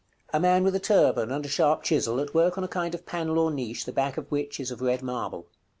_ A man with a turban, and a sharp chisel, at work on a kind of panel or niche, the back of which is of red marble.